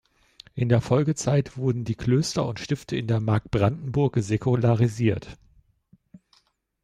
In der Folgezeit wurden die Klöster und Stifte in der Mark Brandenburg säkularisiert.